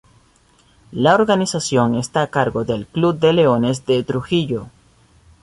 La organización está a cargo del club de leones de Trujillo.